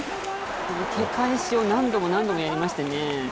蹴返しを何度も何度もやりましたね。